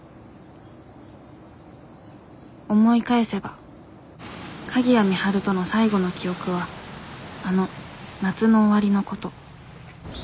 思い返せば鍵谷美晴との最後の記憶はあの夏の終わりのこと。